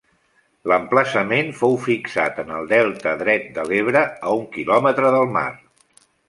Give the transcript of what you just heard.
L'emplaçament fou fixat en el Delta dret de l'Ebre, a un quilòmetre del mar.